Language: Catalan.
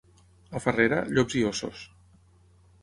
A Farrera, llops i ossos.